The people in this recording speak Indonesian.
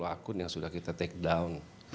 empat puluh akun yang sudah kita take down